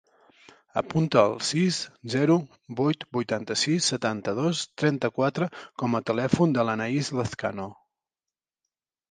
Apunta el sis, zero, vuit, vuitanta-sis, setanta-dos, trenta-quatre com a telèfon de l'Anaïs Lazcano.